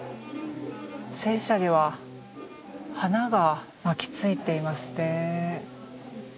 戦車には花が巻き付いていますね。